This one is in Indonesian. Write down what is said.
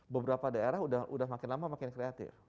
beberapa daerah udah makin lama makin kreatif